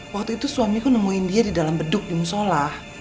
waktu itu suamiku nemuin dia di dalam beduk di musola